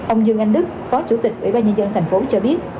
ông dương anh đức phó chủ tịch ủy ban nhân dân tp hcm cho biết